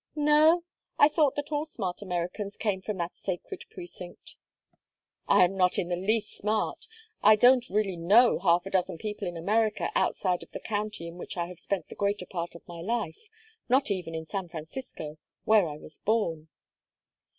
"No? I thought that all smart Americans came from that sacred precinct." "I am not in the least smart. I don't really know half a dozen people in America outside of the county in which I have spent the greater part of my life not even in San Francisco, where I was born."